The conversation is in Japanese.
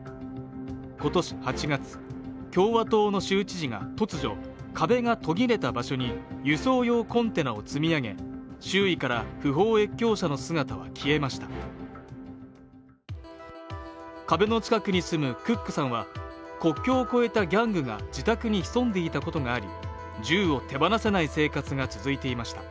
今年８月共和党の州知事が突如壁が途切れた場所に輸送用コンテナを積み上げ周囲から不法越境者の姿は消えました壁の近くに住むクックさんは国境を越えたギャングが自宅に潜んでいたことがあり銃を手放せない生活が続いていました